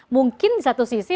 mungkin di satu sisi